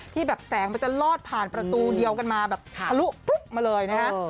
ที่แบบแสงมันจะลอดผ่านประตูเดียวกันมาแบบทะลุปุ๊บมาเลยนะฮะ